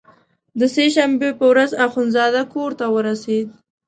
د سې شنبې په ورځ اخندزاده کورته ورسېد.